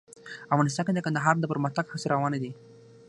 افغانستان کې د کندهار د پرمختګ هڅې روانې دي.